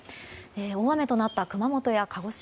大雨となった熊本や鹿児島